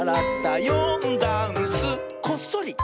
「よんだんす」「こっそり」！